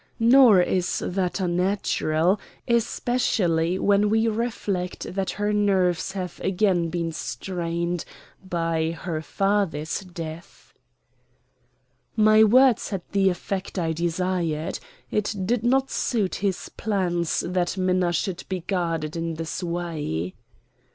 Nor is that unnatural, especially when we reflect that her nerves have again been strained by her father's death." My words had the effect I desired. It did not suit his plans that Minna should be guarded in this way.